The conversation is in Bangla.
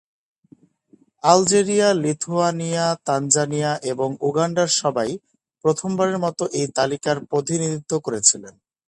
আলজেরিয়া, লিথুয়ানিয়া, তানজানিয়া এবং উগান্ডার সবাই প্রথমবারের মতো এই তালিকার প্রতিনিধিত্ব করেছিল।